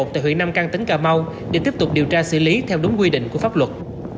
tại huyện nam căn tỉnh cà mau để tiếp tục điều tra xử lý theo đúng quy định của pháp luật